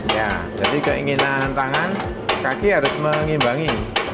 ya jadi keinginan tangan kaki harus mengimbangi